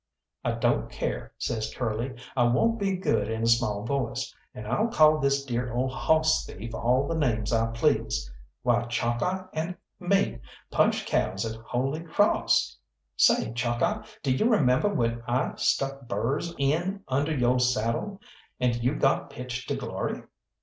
"I don't care," says Curly. "I won't be good in a small voice, and I'll call this dear ole hoss thief all the names I please. Why, Chalkeye and me punched cows at Holy Cross! Say, Chalkeye, d'you remember when I stuck burrs in under yo' saddle, and you got pitched to glory?